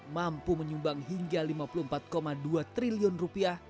mampu menyumbang hingga lima puluh empat dua triliun rupiah